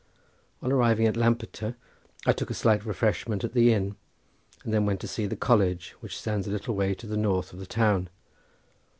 On arriving at Lampeter I took a slight refreshment at the inn, and then went to see the college which stands a little to the north of the town.